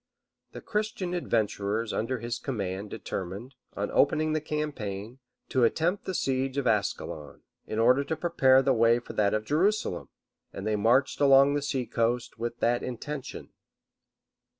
The Christian adventurers under his command determined, on opening the campaign, to attempt the siege of Ascalon, in order to prepare the way for that of Jerusalem; and they marched along the sea coast with that intention.